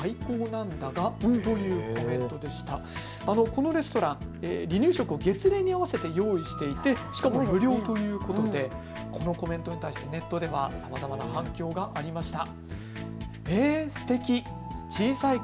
このレストラン、離乳食を月齢に合わせて用意していてしかも無料ということで、このコメントに対してネットではまだまだ反響がありました。